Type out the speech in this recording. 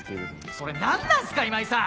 それ何なんすか今井さん！